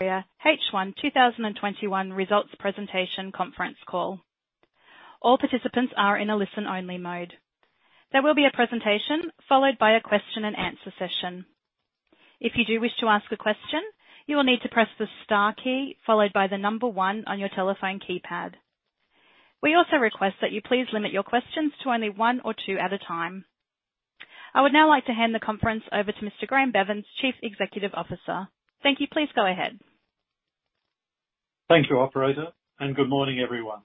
H1 2021 results presentation conference call. All participants are in a listen-only mode. There will be a presentation followed by a question and answer session. If you do wish to ask a question, you will need to press the star key followed by the number one on your telephone keypad. We also request that you please limit your questions to only one or two at a time. I would now like to hand the conference over to Mr. Graeme Bevans, Chief Executive Officer. Thank you. Please go ahead. Thank you, operator. Good morning, everyone.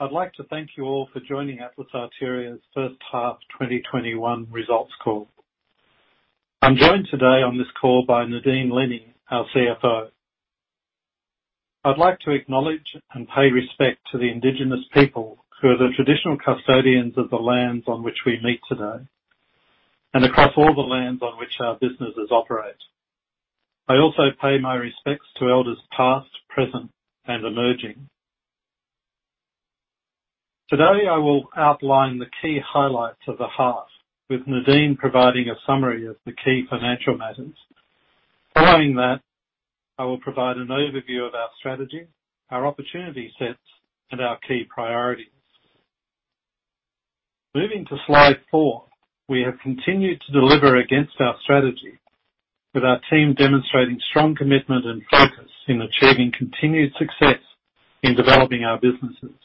I'd like to thank you all for joining Atlas Arteria's first half 2021 results call. I'm joined today on this call by Nadine Lennie, our CFO. I'd like to acknowledge and pay respect to the indigenous people who are the traditional custodians of the lands on which we meet today, and across all the lands on which our businesses operate. I also pay my respects to elders past, present, and emerging. Today, I will outline the key highlights of the half, with Nadine providing a summary of the key financial matters. Following that, I will provide an overview of our strategy, our opportunity sets, and our key priorities. Moving to slide four. We have continued to deliver against our strategy, with our team demonstrating strong commitment and focus in achieving continued success in developing our businesses.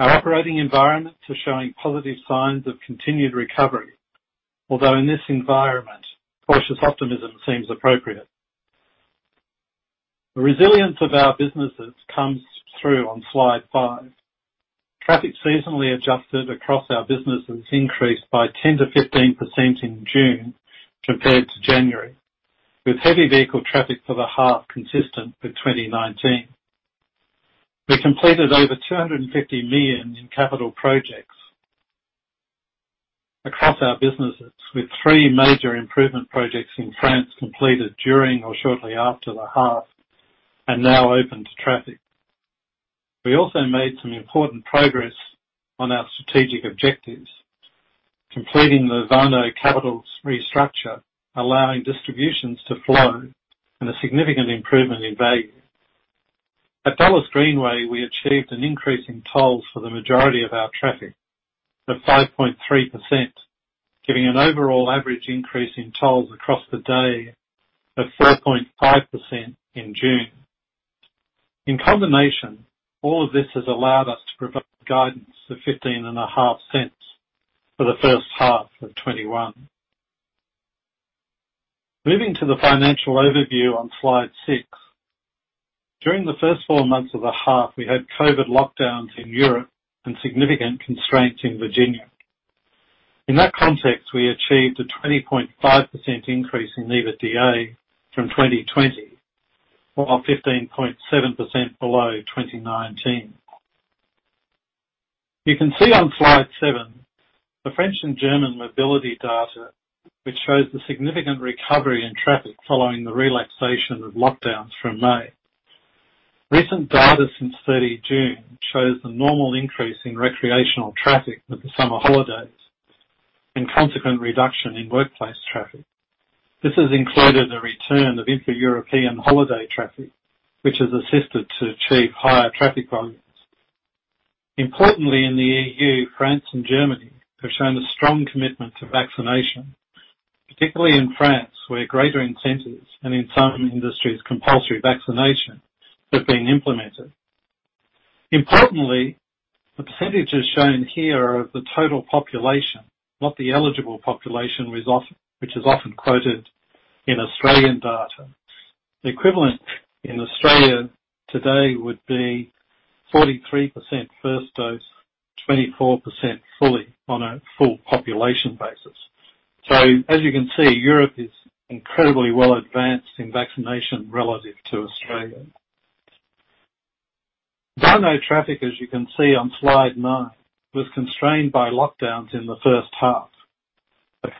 Our operating environments are showing positive signs of continued recovery, although in this environment, cautious optimism seems appropriate. The resilience of our businesses comes through on slide five. Traffic seasonally adjusted across our businesses increased by 10%-15% in June compared to January, with heavy vehicle traffic for the half consistent with 2019. We completed over 250 million in capital projects across our businesses, with three major improvement projects in France completed during or shortly after the half and now open to traffic. We also made some important progress on our strategic objectives, completing the Warnow capitals restructure, allowing distributions to flow and a significant improvement in value. At Dulles Greenway, we achieved an increase in tolls for the majority of our traffic of 5.3%, giving an overall average increase in tolls across the day of 4.5% in June. In combination, all of this has allowed us to provide guidance of 0.155 for first half 2021. Moving to the financial overview on slide six. During the first four months of the half, we had COVID lockdowns in Europe and significant constraints in Virginia. In that context, we achieved a 20.5% increase in EBITDA from 2020, while 15.7% below 2019. You can see on slide seven the French and German mobility data, which shows the significant recovery in traffic following the relaxation of lockdowns from May. Recent data since June 30 shows the normal increase in recreational traffic with the summer holidays and consequent reduction in workplace traffic. This has included the return of intra-European holiday traffic, which has assisted to achieve higher traffic volumes. In the EU, France and Germany have shown a strong commitment to vaccination, particularly in France, where greater incentives and in some industries, compulsory vaccination have been implemented. The percentages shown here are of the total population, not the eligible population, which is often quoted in Australian data. The equivalent in Australia today would be 43% first dose, 24% fully on a full population basis. As you can see, Europe is incredibly well advanced in vaccination relative to Australia. APRR traffic, as you can see on slide nine, was constrained by lockdowns in the first half, but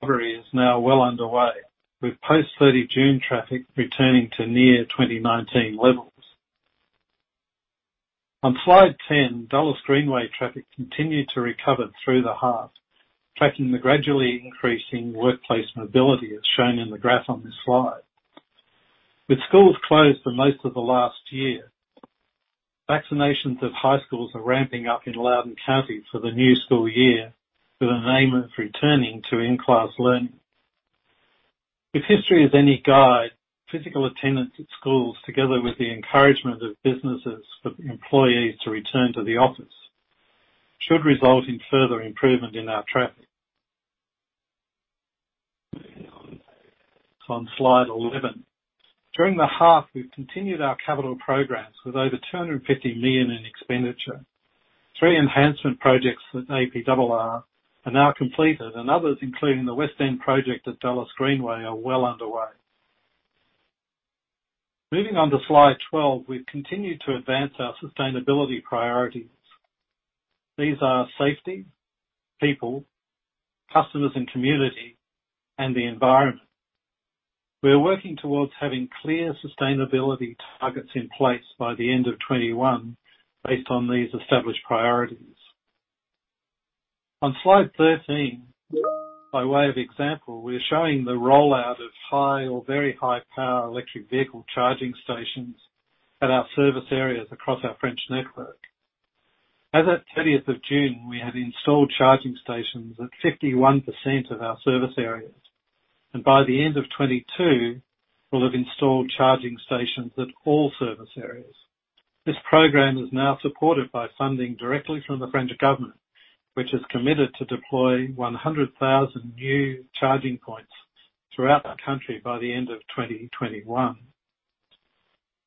recovery is now well underway, with post 30 June traffic returning to near 2019 levels. On slide 10, Dulles Greenway traffic continued to recover through the half, tracking the gradually increasing workplace mobility, as shown in the graph on this slide. With schools closed for most of the last year, vaccinations of high schools are ramping up in Loudoun County for the new school year with an aim of returning to in-class learning. If history is any guide, physical attendance at schools, together with the encouragement of businesses for employees to return to the office, should result in further improvement in our traffic. On slide 11. During the half, we've continued our capital programs with over 250 million in expenditure. Three enhancement projects at APRR are now completed, and others, including the West End project at Dulles Greenway, are well underway. Moving on to slide 12. We've continued to advance our sustainability priorities. These are safety, people, customers and community, and the environment. We are working towards having clear sustainability targets in place by the end of 2021 based on these established priorities. On slide 13, by way of example, we are showing the rollout of high or very high power electric vehicle charging stations at our service areas across our French network. As at June 30, we had installed charging stations at 51% of our service areas. By the end of 2022, we'll have installed charging stations at all service areas. This program is now supported by funding directly from the French government, which has committed to deploy 100,000 new charging points throughout the country by the end of 2021.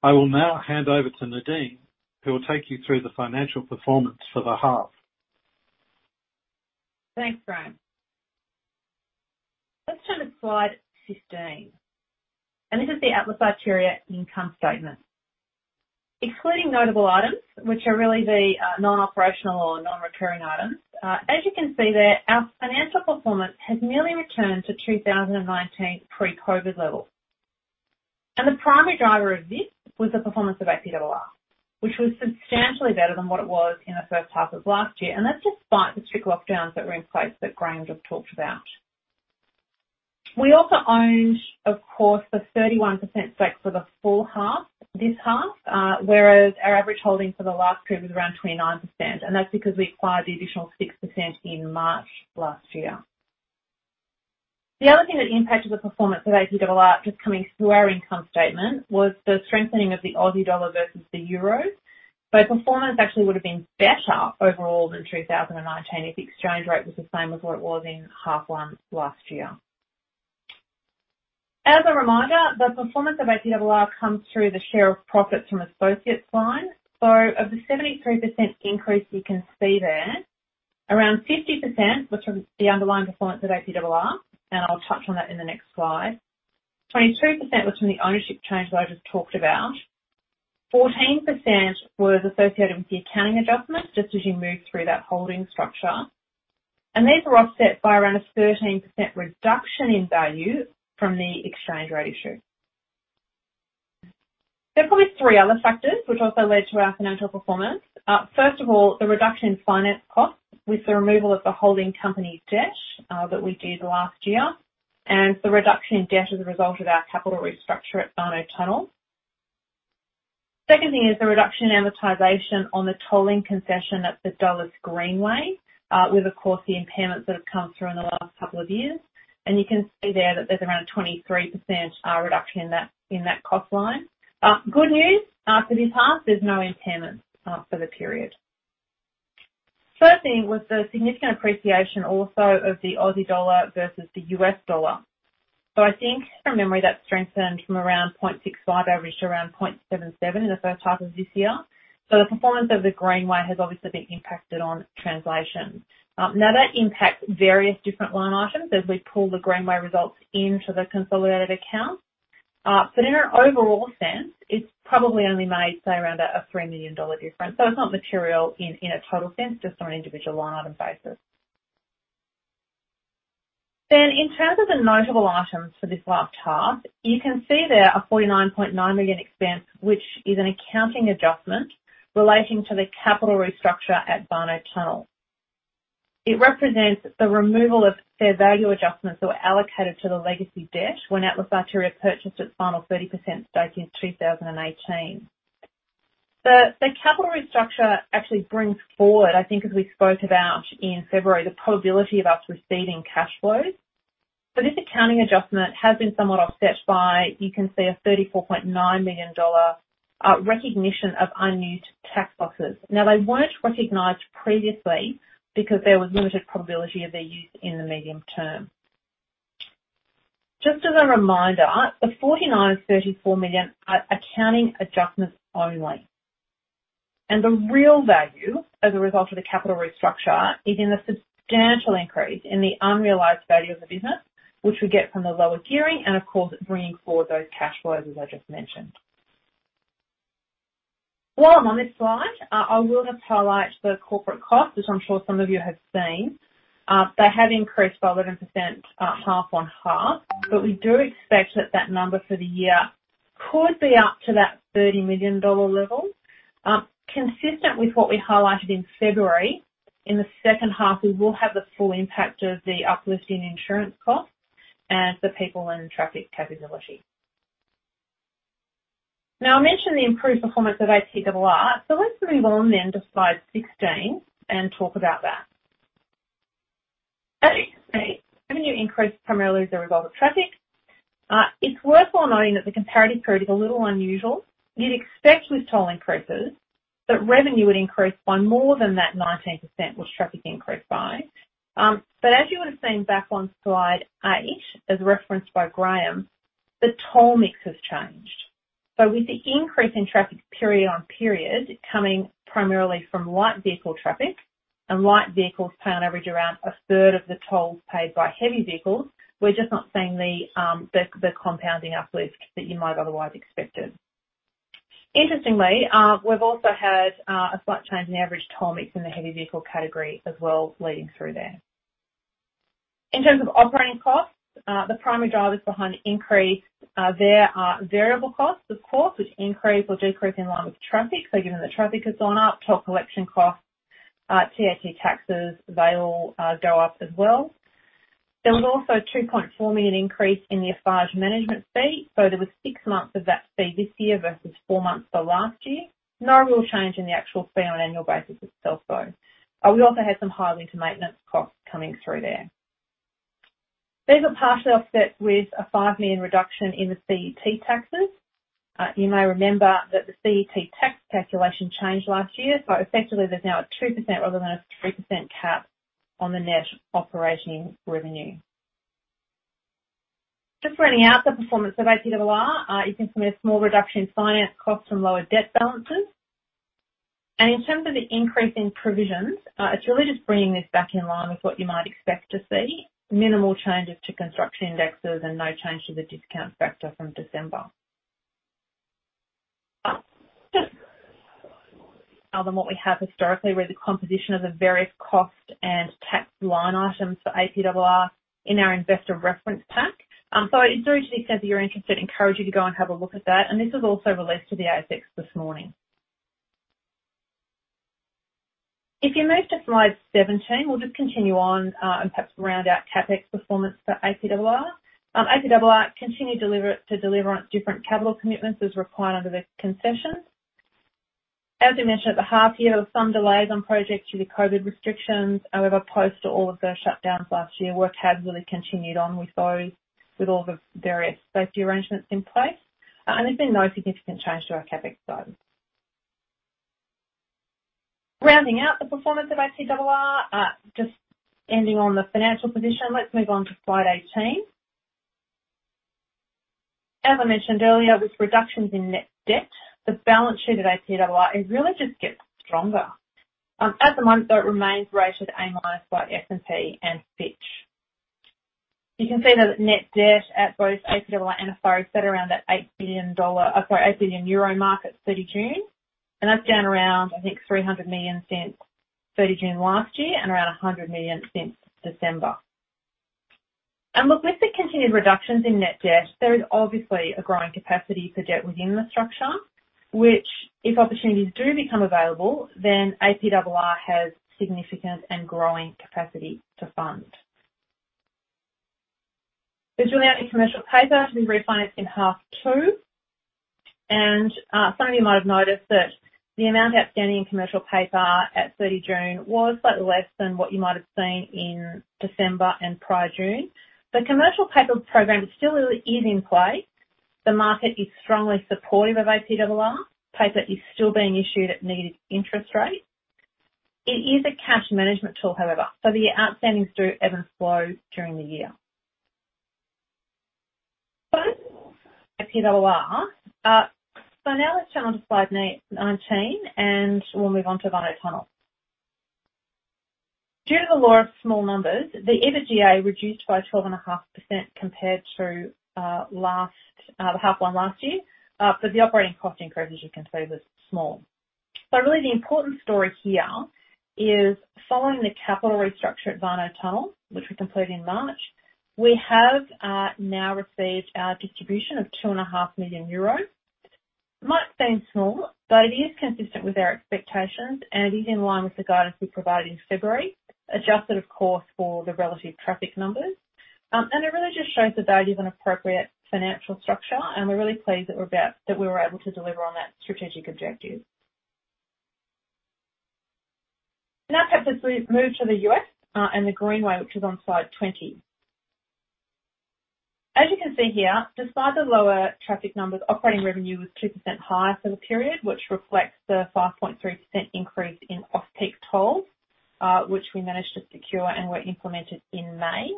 I will now hand over to Nadine, who will take you through the financial performance for the half. Thanks, Graeme. Let's turn to slide 15. This is the Atlas Arteria income statement. Excluding notable items, which are really the non-operational or non-recurring items, as you can see there, our financial performance has nearly returned to 2019 pre-COVID levels. The primary driver of this was the performance of APRR, which was substantially better than what it was in the first half of last year, that's despite the strict lockdowns that were in place that Graeme just talked about. We also owned, of course, the 31% stake for the full half this half, whereas our average holding for the last period was around 29%, that's because we acquired the additional 6% in March last year. The other thing that impacted the performance of APRR just coming through our income statement was the strengthening of the AUD versus the EUR. Performance actually would've been better overall than 2019 if the exchange rate was the same as what it was in half one last year. As a reminder, the performance of APRR comes through the share of profits from associates line. Of the 73% increase you can see there, around 50% was from the underlying performance of APRR, and I'll touch on that in the next slide. 23% was from the ownership change that I just talked about. 14% was associated with the accounting adjustments just as you move through that holding structure. These were offset by around a 13% reduction in value from the exchange rate issue. There are probably three other factors which also led to our financial performance. First of all, the reduction in finance costs with the removal of the holding company's debt that we did last year, and the reduction in debt as a result of our capital restructure at Warnow Tunnel. Second thing is the reduction in amortization on the tolling concession at the Dulles Greenway with, of course, the impairments that have come through in the last couple of years. You can see there that there's around a 23% reduction in that cost line. Good news, for this half, there's no impairment for the period. Third thing was the significant appreciation also of the Aussie dollar versus the US dollar. I think from memory, that strengthened from around 0.65, averaged around 0.77 in the first half of this year. The performance of the Greenway has obviously been impacted on translation. That impacts various different line items as we pull the Greenway results into the consolidated accounts. In an overall sense, it's probably only made, say, around a $3 million difference. It's not material in a total sense, just on an individual line item basis. In terms of the notable items for this last half, you can see there an 49.9 million expense, which is an accounting adjustment relating to the capital restructure at Warnow Tunnel. It represents the removal of fair value adjustments that were allocated to the legacy debt when Atlas Arteria purchased its final 30% stake in 2018. The capital restructure actually brings forward, I think as we spoke about in February, the probability of us receiving cash flows. This accounting adjustment has been somewhat offset by, you can see, a $34.9 million recognition of unused tax losses. Now, they weren't recognized previously because there was limited probability of their use in the medium term. Just as a reminder, the 49 million and 34 million are accounting adjustments only, and the real value as a result of the capital restructure is in the substantial increase in the unrealized value of the business, which we get from the lower gearing and of course, bringing forward those cash flows, as I just mentioned. While I'm on this slide, I will just highlight the corporate costs, which I'm sure some of you have seen. They have increased 11% half on half, but we do expect that that number for the year could be up to that 30 million dollar level. Consistent with what we highlighted in February, in the second half, we will have the full impact of the uplift in insurance costs and for people and traffic capability. I mentioned the improved performance of ATWR, let's move on to slide 16 and talk about that. Revenue increased primarily as a result of traffic. It's worthwhile noting that the comparative period is a little unusual. You'd expect with toll increases that revenue would increase by more than that 19% which traffic increased by. As you would've seen back on slide eight, as referenced by Graeme, the toll mix has changed. With the increase in traffic period on period coming primarily from light vehicle traffic, and light vehicles pay on average around a third of the tolls paid by heavy vehicles, we're just not seeing the compounding uplift that you might otherwise expected. Interestingly, we've also had a slight change in average toll mix in the heavy vehicle category as well leading through there. In terms of operating costs, the primary drivers behind the increase there are variable costs, of course, which increase or decrease in line with traffic. Given that traffic is on up, toll collection costs, TIC taxes, they all go up as well. There was also an 2.4 million increase in the Eiffage management fee. There was six months of that fee this year versus four months for last year. No real change in the actual fee on an annual basis itself, though. We also had some high maintenance costs coming through there. These are partially offset with an 5 million reduction in the CET taxes. You may remember that the CET tax calculation changed last year. Effectively there's now a 2% rather than a 3% cap on the net operating revenue. Just running out the performance of APRR, you can see a small reduction in finance costs and lower debt balances. In terms of the increase in provisions, it's really just bringing this back in line with what you might expect to see. Minimal changes to construction indexes and no change to the discount factor from December. Other than what we have historically with the composition of the various cost and tax line items for APRR in our investor reference pack. I'd urge you, if you're interested, encourage you to go and have a look at that. This was also released to the ASX this morning. If you move to slide 17, we'll just continue on, and perhaps round out CapEx performance for APRR. APRR continued to deliver on different capital commitments as required under the concession. As we mentioned at the half year, there were some delays on projects due to COVID restrictions. Post all of the shutdowns last year, work has really continued on with those, with all the various safety arrangements in place. There's been no significant change to our CapEx though. Rounding out the performance of APRR, just ending on the financial position. Let's move on to slide 18. As I mentioned earlier, with reductions in net debt, the balance sheet at APRR, it really just gets stronger. At the moment, though, it remains rated A- by S&P and Fitch. You can see that net debt at both APRR and Eiffage sat around that EUR 8 billion mark at 30 June, that's down around, I think, 300 million since 30 June last year and around 100 million since December. Look, with the continued reductions in net debt, there is obviously a growing capacity for debt within the structure, which, if opportunities do become available, then APRR has significant and growing capacity to fund. The outstanding commercial paper to be refinanced in half two. Some of you might have noticed that the amount outstanding in commercial paper at 30 June was slightly less than what you might have seen in December and prior June. The commercial paper program still really is in play. The market is strongly supportive of APRR. Paper is still being issued at needed interest rates. It is a cash management tool, however, so the outstandings do ebb and flow during the year. That's APRR. Now let's turn to slide 19, and we'll move on to Warnow Tunnel. Due to the law of small numbers, the EBITDA reduced by 12.5% compared to half one last year. The operating cost increase, as you can see, was small. Really the important story here is following the capital restructure at Warnow Tunnel, which we completed in March, we have now received our distribution of 2.5 million euros. It might seem small, but it is consistent with our expectations and is in line with the guidance we provided in February, adjusted, of course, for the relative traffic numbers. It really just shows the value of an appropriate financial structure, and we are really pleased that we were able to deliver on that strategic objective. Perhaps let's move to the U.S. and the Greenway, which is on slide 20. As you can see here, despite the lower traffic numbers, operating revenue was 2% higher for the period, which reflects the 5.3% increase in off-peak tolls, which we managed to secure and were implemented in May.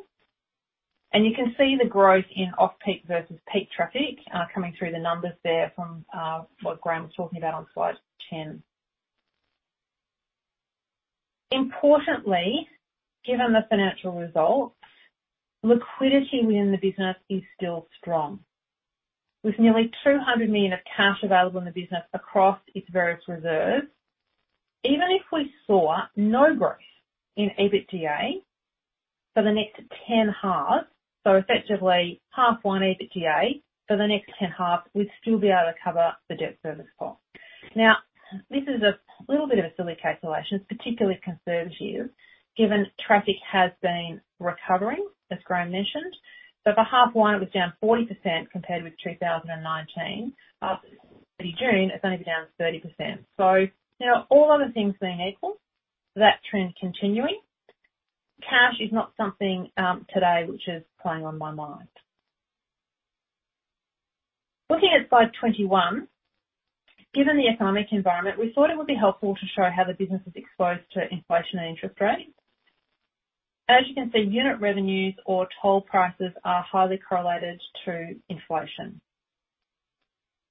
You can see the growth in off-peak versus peak traffic coming through the numbers there from what Graeme was talking about on slide 10. Importantly, given the financial results, liquidity within the business is still strong, with nearly 200 million of cash available in the business across its various reserves. Even if we saw no growth in EBITDA for the next 10 halves, so effectively half one EBITDA for the next 10 halves, we'd still be able to cover the debt service cost. This is a little bit of a silly calculation. It's particularly conservative given traffic has been recovering, as Graeme mentioned. For half one, it was down 40% compared with 2019. As of 30 June, it's only been down 30%. All other things being equal, that trend continuing, cash is not something today which is playing on my mind. Looking at slide 21. Given the economic environment, we thought it would be helpful to show how the business is exposed to inflation and interest rates. As you can see, unit revenues or toll prices are highly correlated to inflation.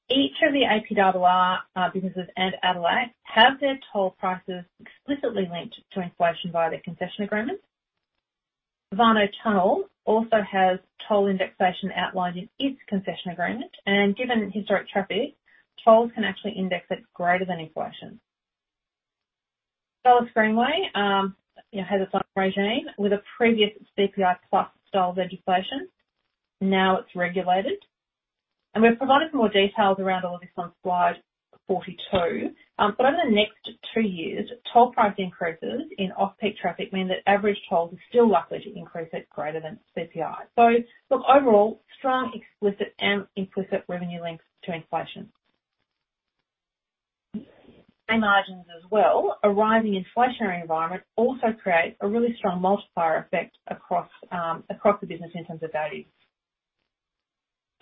Each of the APRR businesses and ADELAC have their toll prices explicitly linked to inflation via their concession agreements. Warnow Tunnel also has toll indexation outlined in its concession agreement, and given historic traffic, tolls can actually index at greater than inflation. Dulles Greenway has a pricing regime with a previous CPI-plus style of legislation, now it's regulated. We've provided some more details around all of this on slide 42. Over the next two years, toll price increases in off-peak traffic mean that average tolls are still likely to increase at greater than CPI. Look, overall, strong explicit and implicit revenue links to inflation. Margins as well. A rising inflationary environment also creates a really strong multiplier effect across the business in terms of value.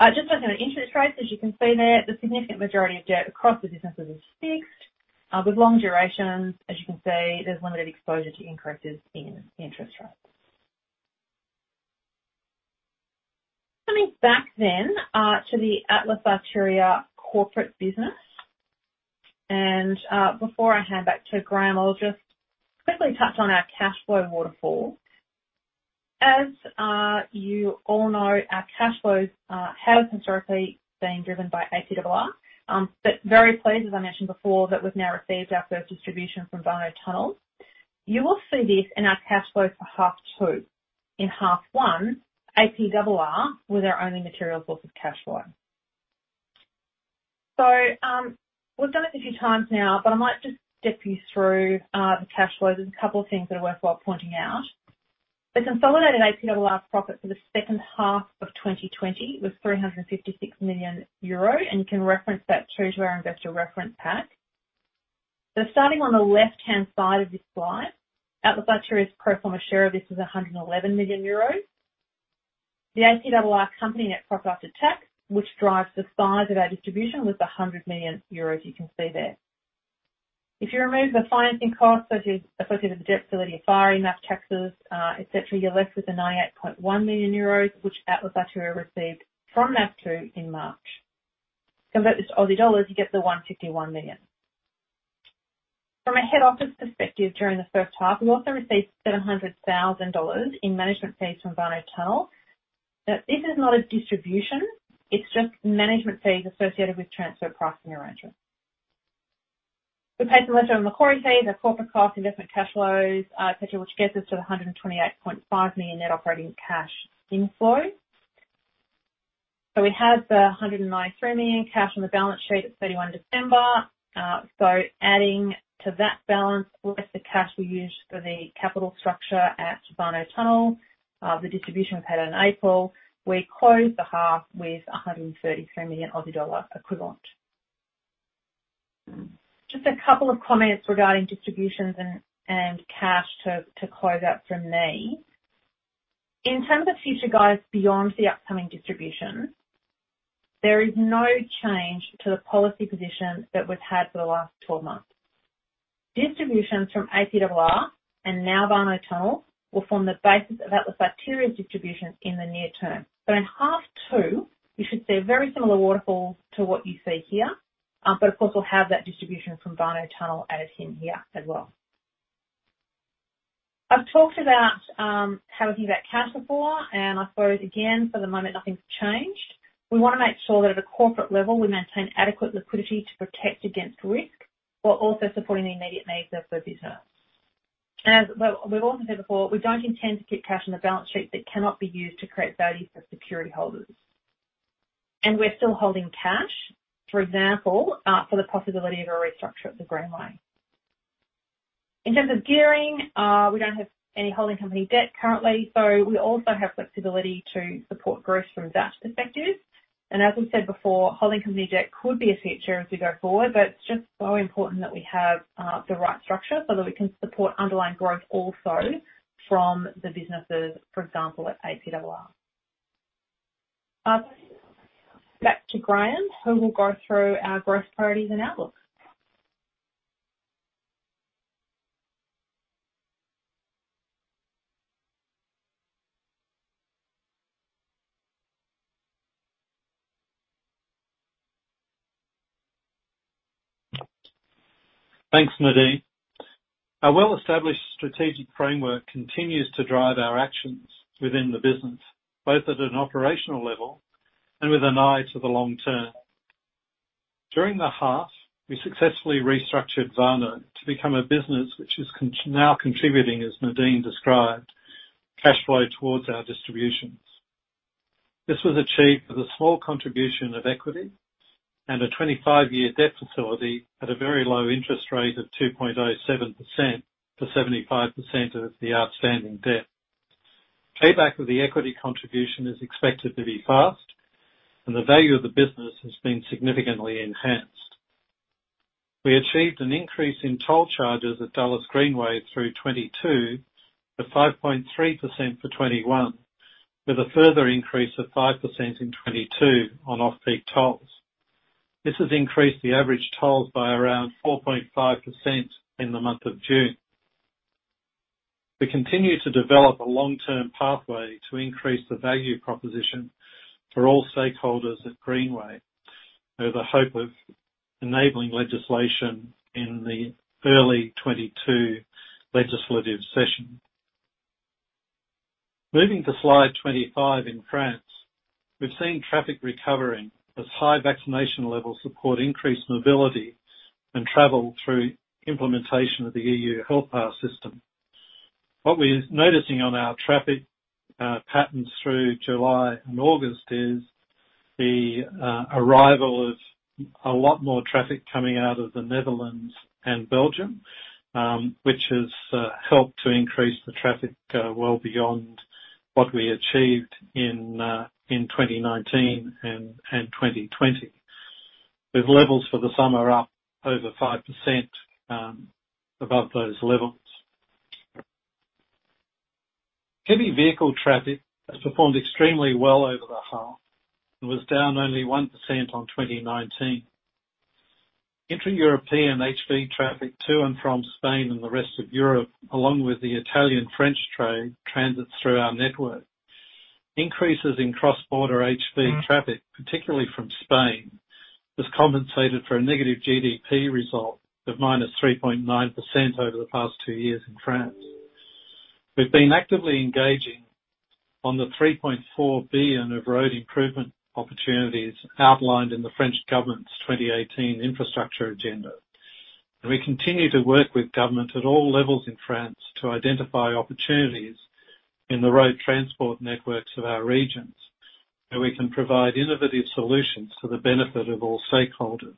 Just looking at interest rates, as you can see there, the significant majority of debt across the businesses is fixed, with long durations. As you can see, there's limited exposure to increases in interest rates. To the Atlas Arteria corporate business. Before I hand back to Graeme, I'll just quickly touch on our cash flow waterfall. As you all know, our cash flows have historically been driven by APRR, but very pleased, as I mentioned before, that we've now received our first distribution from Warnow Tunnel. You will see this in our cash flows for half two. In half one, APRR was our only material source of cash flow. We've done it a few times now, but I might just step you through the cash flow. There's a couple of things that are worthwhile pointing out. The consolidated APRR profit for the second half of 2020 was 356 million euro, you can reference that through to our investor reference pack. Starting on the left-hand side of this slide, Atlas Arteria's pro forma share of this is 111 million euros. The APRR company net profit after tax, which drives the size of our distribution, was 100 million euros, you can see there. If you remove the financing costs associated with the debt facility, FIRE, MAP taxes, et cetera, you're left with the 98.1 million euros, which Atlas Arteria received from MAF2 in March. Convert this to Aussie dollars, you get the 151 million. From a head office perspective during the first half, we also received 700,000 dollars in management fees from Warnow Tunnel. This is not a distribution, it's just management fees associated with transfer pricing arrangements. We paid the lender on Macquarie fees, our corporate cost, investment cash flows, etc., which gets us to the 128.5 million net operating cash inflow. We have the 193 million cash on the balance sheet at 31 December. Adding to that balance, less the cash we used for the capital structure at Warnow Tunnel, the distribution we've had in April, we closed the half with a 133 million Aussie dollar equivalent. Just a couple of comments regarding distributions and cash to close out from me. In terms of future guides beyond the upcoming distributions, there is no change to the policy position that we've had for the last 12 months. Distributions from APRR and now Warnow Tunnel will form the basis of Atlas Arteria's distributions in the near term. In half two, you should see a very similar waterfall to what you see here, but of course, we'll have that distribution from Warnow Tunnel added in here as well. I've talked about how we think about cash before, and I suppose, again, for the moment, nothing's changed. We want to make sure that at a corporate level, we maintain adequate liquidity to protect against risk while also supporting the immediate needs of the business. As we've also said before, we don't intend to keep cash on the balance sheet that cannot be used to create value for security holders. We're still holding cash, for example, for the possibility of a restructure at the Greenway. In terms of gearing, we don't have any holding company debt currently, so we also have flexibility to support growth from that perspective. As we said before, holding company debt could be a feature as we go forward, but it's just so important that we have the right structure so that we can support underlying growth also from the businesses, for example, at APRR. I'll hand you back to Graeme, who will go through our growth priorities and outlook. Thanks, Nadine. Our well-established strategic framework continues to drive our actions within the business, both at an operational level and with an eye to the long term. During the half, we successfully restructured Warnow to become a business which is now contributing, as Nadine described, cash flow towards our distributions. This was achieved with a small contribution of equity and a 25-year debt facility at a very low interest rate of 2.07% for 75% of the outstanding debt. Payback of the equity contribution is expected to be fast, and the value of the business has been significantly enhanced. We achieved an increase in toll charges at Dulles Greenway through 2022 to 5.3% for 2021, with a further increase of 5% in 2022 on off-peak tolls. This has increased the average tolls by around 4.5% in the month of June. We continue to develop a long-term pathway to increase the value proposition for all stakeholders at Greenway over the hope of enabling legislation in the early 2022 legislative session. Moving to slide 25, in France, we've seen traffic recovering as high vaccination levels support increased mobility and travel through implementation of the EU health pass system. What we're noticing on our traffic patterns through July and August is the arrival of a lot more traffic coming out of the Netherlands and Belgium, which has helped to increase the traffic well beyond what we achieved in 2019 and 2020, with levels for the summer up over 5% above those levels. Heavy vehicle traffic has performed extremely well over the half and was down only 1% on 2019. Intra-European HV traffic to and from Spain and the rest of Europe, along with the Italian-French trade, transits through our network. Increases in cross-border HV traffic, particularly from Spain, has compensated for a negative GDP result of -3.9% over the past two years in France. We've been actively engaging on the 3.4 billion of road improvement opportunities outlined in the French government's 2018 infrastructure agenda. We continue to work with government at all levels in France to identify opportunities in the road transport networks of our regions, where we can provide innovative solutions for the benefit of all stakeholders.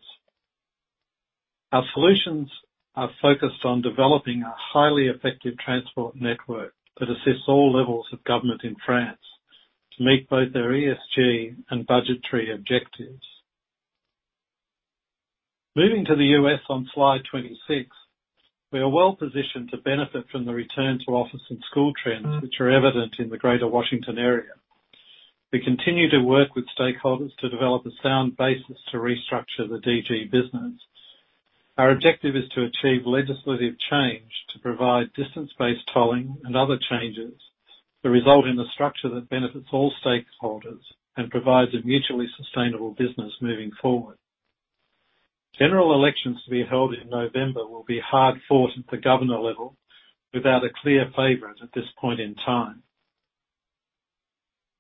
Our solutions are focused on developing a highly effective transport network that assists all levels of government in France to meet both their ESG and budgetary objectives. Moving to the US on slide 26, we are well-positioned to benefit from the return to office and school trends, which are evident in the greater Washington area. We continue to work with stakeholders to develop a sound basis to restructure the DG business. Our objective is to achieve legislative change to provide distance-based tolling and other changes that result in a structure that benefits all stakeholders and provides a mutually sustainable business moving forward. General elections to be held in November will be hard-fought at the governor level without a clear favorite at this point in time.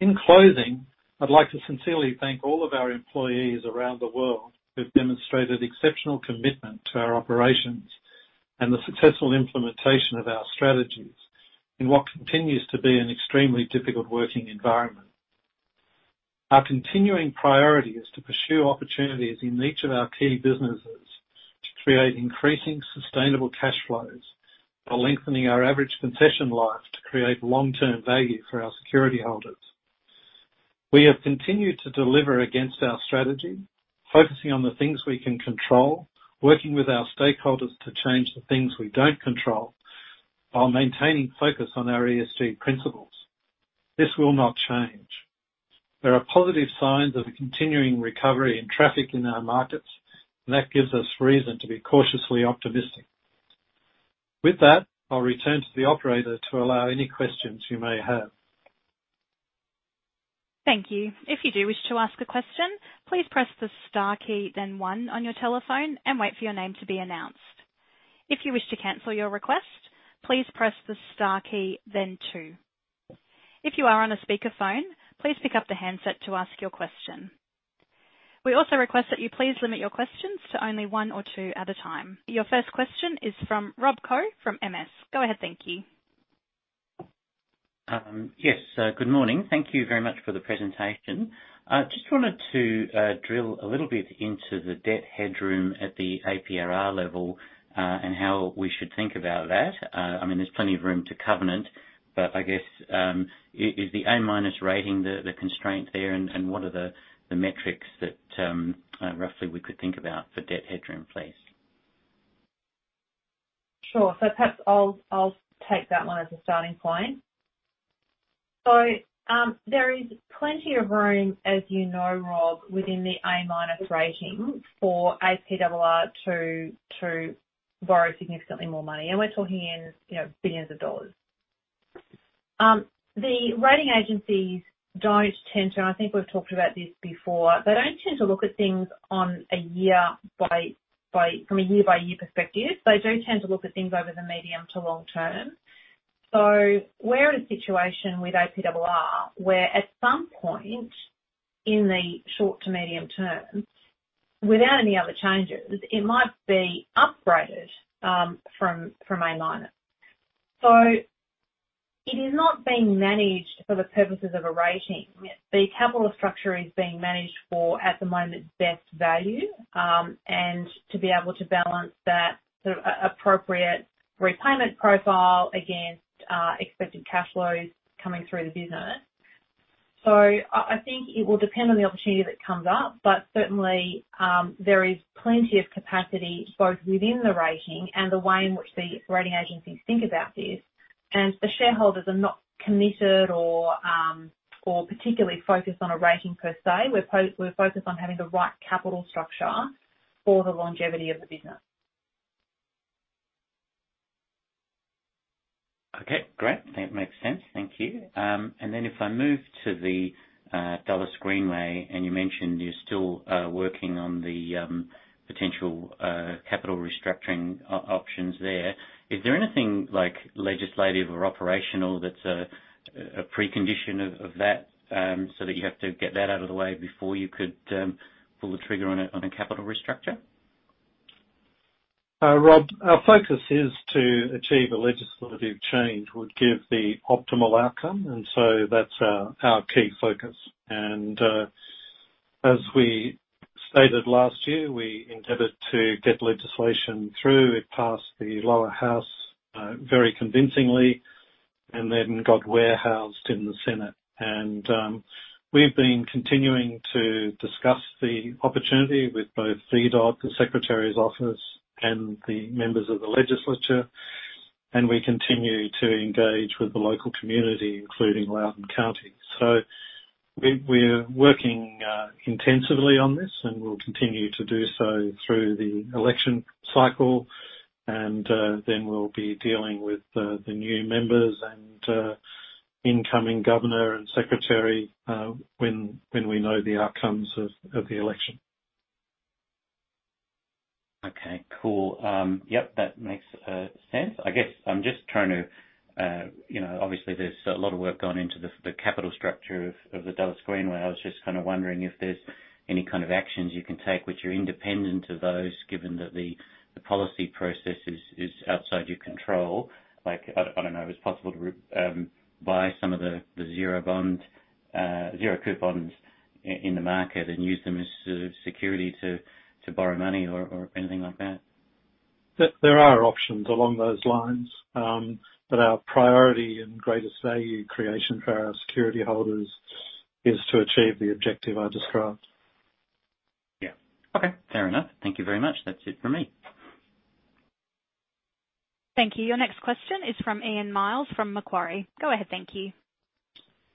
In closing, I'd like to sincerely thank all of our employees around the world who've demonstrated exceptional commitment to our operations and the successful implementation of our strategies in what continues to be an extremely difficult working environment. Our continuing priority is to pursue opportunities in each of our key businesses to create increasing sustainable cash flows while lengthening our average concession life to create long-term value for our security holders. We have continued to deliver against our strategy, focusing on the things we can control, working with our stakeholders to change the things we don't control while maintaining focus on our ESG principles. This will not change. There are positive signs of a continuing recovery in traffic in our markets, and that gives us reason to be cautiously optimistic. With that, I'll return to the operator to allow any questions you may have. Thank you. If you do wish to ask a question, please press the star key, then one on your telephone and wait for your name to be announced. If you wish to cancel your request, please press the star key, then two. If you are on a speakerphone, please pick up the handset to ask your question. We also request that you please limit your questions to only one or two at a time. Your first question is from Rob Koh from MS. Go ahead, thank you. Good morning. Thank you very much for the presentation. Just wanted to drill a little bit into the debt headroom at the APRR level, and how we should think about that. There is plenty of room to covenant, but I guess, is the A- rating the constraint there and what are the metrics that roughly we could think about for debt headroom, please? Sure. Perhaps I'll take that one as a starting point. There is plenty of room, as you know, Rob, within the A- rating for APRR to borrow significantly more money, and we're talking in billions of dollars. The rating agencies don't tend to, I think we've talked about this before, they don't tend to look at things from a year-by-year perspective. They do tend to look at things over the medium to long term. We're in a situation with APRR, where at some point in the short to medium term, without any other changes, it might be upgraded from A-. It is not being managed for the purposes of a rating. The capital structure is being managed for, at the moment, best value, and to be able to balance that appropriate repayment profile against expected cash flows coming through the business. I think it will depend on the opportunity that comes up, but certainly, there is plenty of capacity, both within the rating and the way in which the rating agencies think about this. The shareholders are not committed or particularly focused on a rating per se. We're focused on having the right capital structure for the longevity of the business. Okay, great. That makes sense. Thank you. If I move to the Dulles Greenway, and you mentioned you're still working on the potential capital restructuring options there. Is there anything like legislative or operational that's a precondition of that so that you have to get that out of the way before you could pull the trigger on a capital restructure? Rob, our focus is to achieve a legislative change would give the optimal outcome. That's our key focus. As we stated last year, we endeavored to get legislation through. It passed the Lower House very convincingly and then got warehoused in the Senate. We've been continuing to discuss the opportunity with both VDOT, the secretary's office, and the members of the legislature, and we continue to engage with the local community, including Loudoun County. We're working intensively on this, and we'll continue to do so through the election cycle, and then we'll be dealing with the new members and incoming governor and secretary when we know the outcomes of the election. Okay, cool. Yep, that makes sense. Obviously, there's a lot of work gone into the capital structure of the Dulles Greenway. I was just kind of wondering if there's any kind of actions you can take which are independent of those, given that the policy process is outside your control. Like, I don't know, if it's possible to buy some of the zero coupons in the market and use them as security to borrow money or anything like that. There are options along those lines. Our priority and greatest value creation for our security holders is to achieve the objective I described. Yeah. Okay, fair enough. Thank you very much. That's it from me. Thank you. Your next question is from Ian Myles from Macquarie. Go ahead, thank you.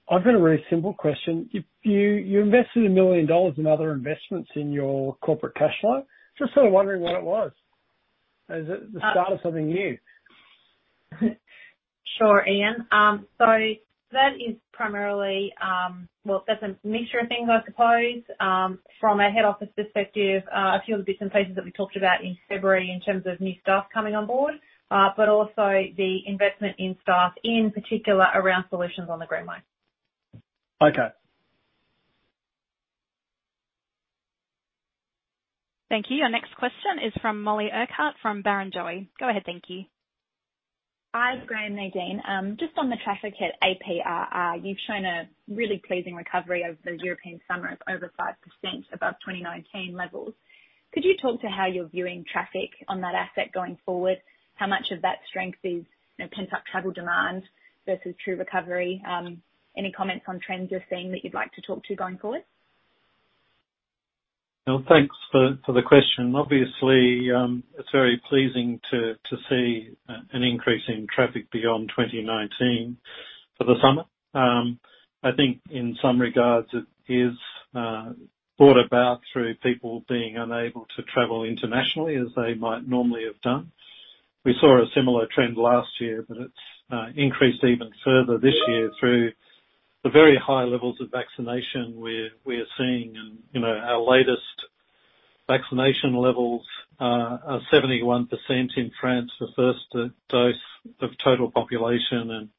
I've got a very simple question. You invested 1 million dollars in other investments in your corporate cash flow. Just sort of wondering what it was. Is it the start of something new? Sure, Ian. That is primarily, well, that's a mixture of things, I suppose. From a head office perspective, a few of the bits and pieces that we talked about in February in terms of new staff coming on board. Also the investment in staff, in particular around solutions on the Greenway. Okay. Thank you. Your next question is from Mollie Urquhart from Barrenjoey. Go ahead, thank you. Hi, Graeme, Nadine. Just on the traffic at APRR, you've shown a really pleasing recovery over the European summer of over 5% above 2019 levels. Could you talk to how you're viewing traffic on that asset going forward? How much of that strength is pent-up travel demand versus true recovery? Any comments on trends you're seeing that you'd like to talk to going forward? Well, thanks for the question. Obviously, it's very pleasing to see an increase in traffic beyond 2019 for the summer. I think in some regards, it is brought about through people being unable to travel internationally as they might normally have done. We saw a similar trend last year, but it's increased even further this year through the very high levels of vaccination we're seeing, and our latest vaccination levels are 71% in France for first dose of total population, and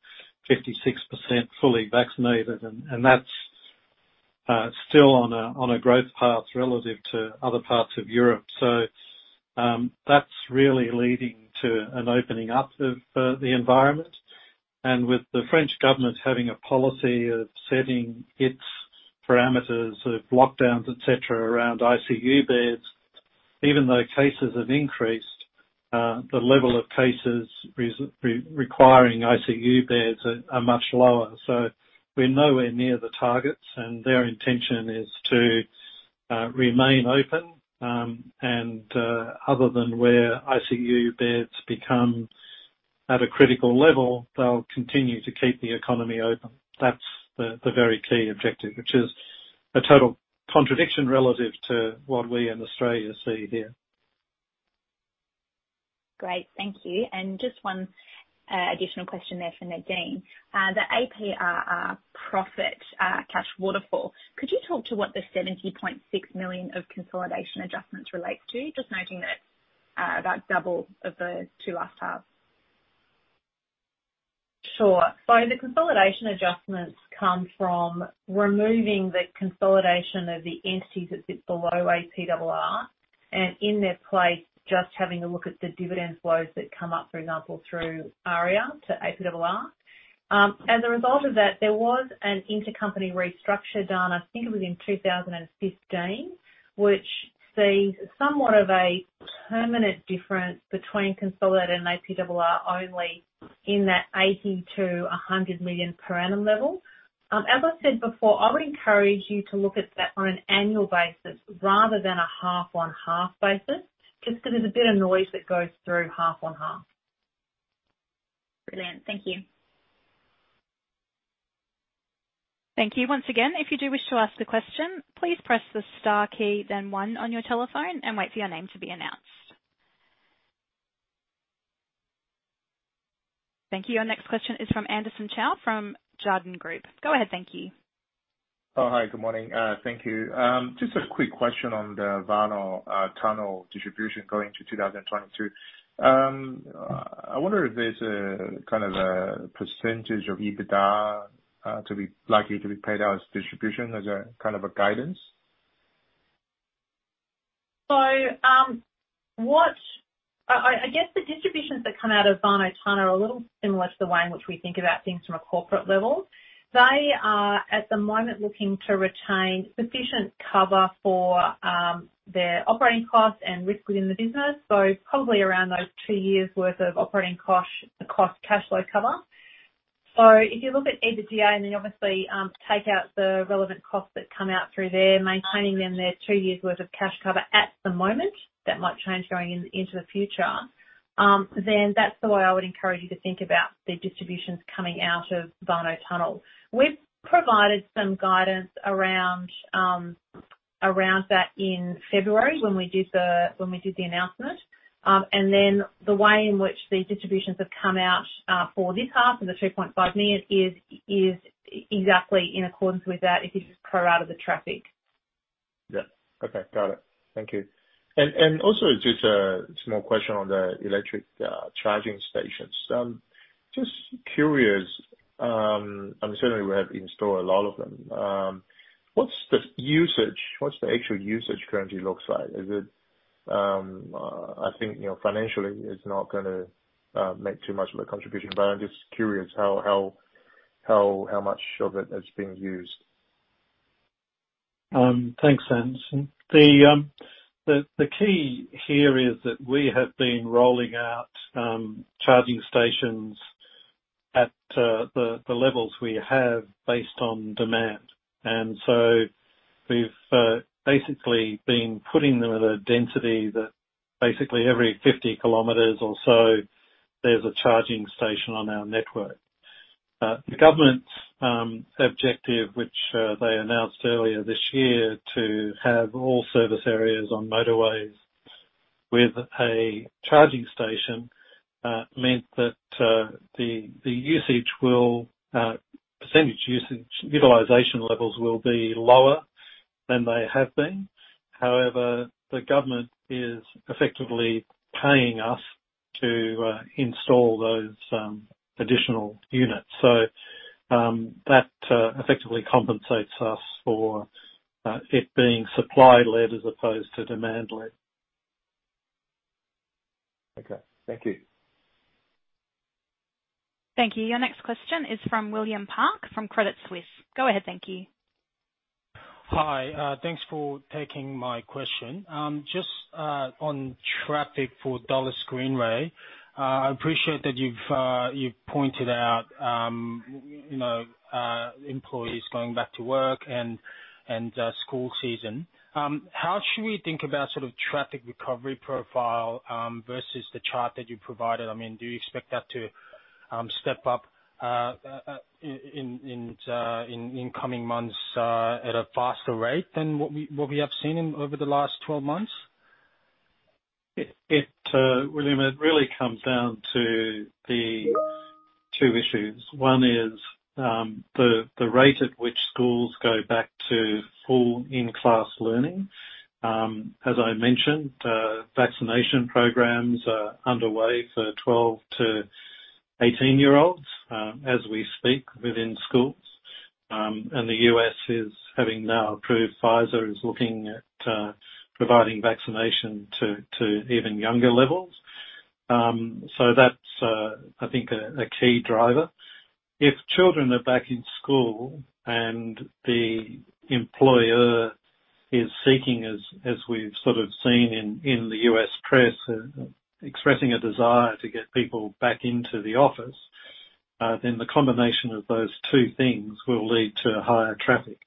56% fully vaccinated. That's still on a growth path relative to other parts of Europe. That's really leading to an opening up of the environment. With the French government having a policy of setting its parameters of lockdowns, et cetera, around ICU beds, even though cases have increased, the level of cases re-requiring ICU beds are much lower. We're nowhere near the targets, and their intention is to remain open. Other than where ICU beds become at a critical level, they'll continue to keep the economy open. That's the very key objective, which is a total contradiction relative to what we in Australia see here. Great. Thank you. Just one additional question there for Nadine. The APRR profit cash waterfall. Could you talk to what the 70.6 million of consolidation adjustments relate to? Just noting that about double of the two last halves. Sure. The consolidation adjustments come from removing the consolidation of the entities that sit below APRR, and in their place, just having a look at the dividend flows that come up, for example, through AREA to APRR. As a result of that, there was an intercompany restructure done, I think it was in 2015, which sees somewhat of a permanent difference between consolidated and APRR only in that 80 million-100 million per annum level. As I said before, I would encourage you to look at that on an annual basis rather than a half-on-half basis, just because there's a bit of noise that goes through half-on-half. Brilliant. Thank you. Thank you. Our next question is from Anderson Chow from Jarden Group. Go ahead, thank you. Hi. Good morning. Thank you. Just a quick question on the Warnow Tunnel distribution going to 2022. I wonder if there's a % of EBITDA likely to be paid out as distribution as a guidance? I guess the distributions that come out of Warnow Tunnel are a little similar to the way in which we think about things from a corporate level. They are, at the moment, looking to retain sufficient cover for their operating costs and risk within the business. Probably around those 2 years worth of operating cost cash flow cover. If you look at EBITDA, and then obviously take out the relevant costs that come out through there, maintaining then their 2 years worth of cash cover at the moment, that might change going into the future, then that's the way I would encourage you to think about the distributions coming out of Warnow Tunnel. We've provided some guidance around that in February when we did the announcement. The way in which the distributions have come out for this half, and the 2.5 million is exactly in accordance with that if you just pro out of the traffic. Yeah. Okay, got it. Thank you. Also just a small question on the electric charging stations. Just curious, and certainly we have installed a lot of them. What's the actual usage currently looks like? I think financially it's not gonna make too much of a contribution, but I'm just curious how much of it is being used. Thanks, Anderson. The key here is that we have been rolling out charging stations at the levels we have based on demand. We've basically been putting them at a density that basically every 50 km or so there's a charging station on our network. The government's objective, which they announced earlier this year, to have all service areas on motorways with a charging station, meant that the percentage usage utilization levels will be lower than they have been. The government is effectively paying us to install those additional units. That effectively compensates us for it being supply-led as opposed to demand-led. Okay. Thank you. Thank you. Your next question is from William Park, from Credit Suisse. Go ahead, thank you. Hi. Thanks for taking my question. Just on traffic for Dulles Greenway. I appreciate that you've pointed out employees going back to work and school season. How should we think about traffic recovery profile versus the chart that you provided? Do you expect that to step up in coming months at a faster rate than what we have seen over the last 12 months? William, it really comes down to the two issues. One is the rate at which schools go back to full in-class learning. As I mentioned, vaccination programs are underway for 12-18 year olds as we speak within schools. The U.S. is having now approved Pfizer, is looking at providing vaccination to even younger levels. That's, I think, a key driver. If children are back in school and the employer is seeking as we've sort of seen in the U.S. press, expressing a desire to get people back into the office, then the combination of those two things will lead to higher traffic.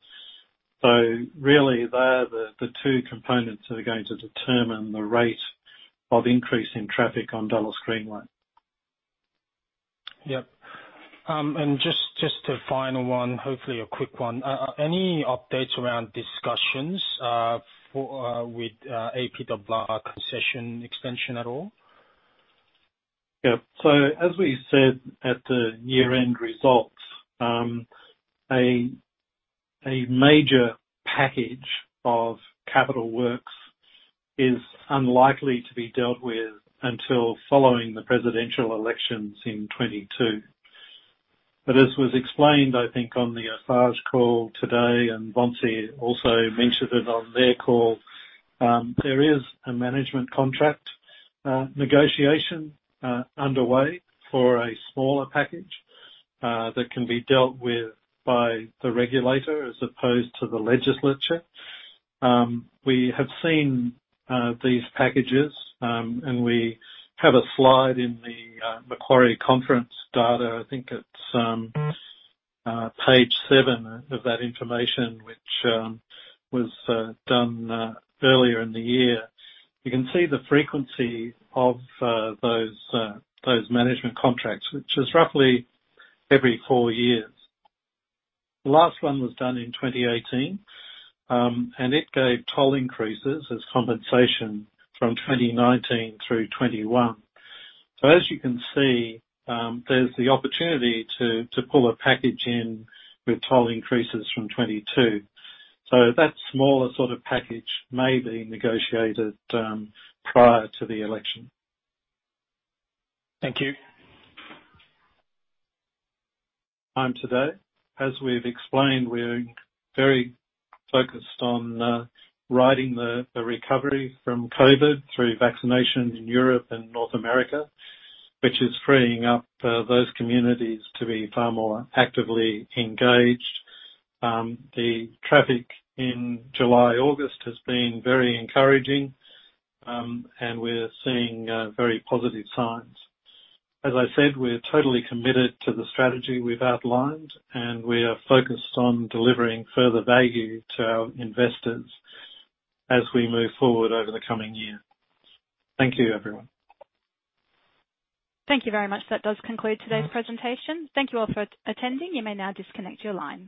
Really, they're the two components that are going to determine the rate of increase in traffic on Dulles Greenway. Yep. Just a final one, hopefully a quick one. Any updates around discussions with ADELAC concession extension at all? Yep. As we said at the year-end results, a major package of capital works is unlikely to be dealt with until following the presidential elections in 2022. As was explained, I think, on the Eiffage call today, and Vinci also mentioned it on their call, there is a management contract negotiation underway for a smaller package that can be dealt with by the regulator as opposed to the legislature. We have seen these packages, and we have a slide in the Macquarie Conference data. I think it's page seven of that information, which was done earlier in the year. You can see the frequency of those management contracts, which is roughly every four years. The last one was done in 2018. It gave toll increases as compensation from 2019 through 2021. As you can see, there's the opportunity to pull a package in with toll increases from 2022. That smaller package may be negotiated prior to the election. Thank you. Time today. As we've explained, we're very focused on riding the recovery from COVID through vaccination in Europe and North America, which is freeing up those communities to be far more actively engaged. The traffic in July, August has been very encouraging, and we're seeing very positive signs. As I said, we're totally committed to the strategy we've outlined, and we are focused on delivering further value to our investors as we move forward over the coming year. Thank you, everyone. Thank you very much. That does conclude today's presentation. Thank you all for attending. You may now disconnect your lines.